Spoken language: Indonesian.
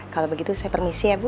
kalau begitu saya permisi ya bu